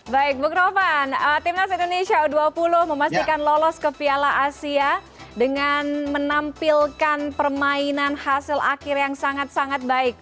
baik bung rovan timnas indonesia u dua puluh memastikan lolos ke piala asia dengan menampilkan permainan hasil akhir yang sangat sangat baik